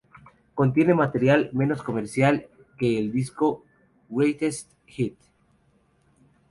Contiene material menos comercial que el disco Greatest Hits.